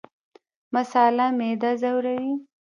مساله معده ځوروي